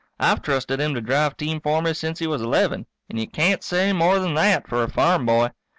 I've trusted him to drive team for me since he was eleven, and you can't say more than that for a farm boy.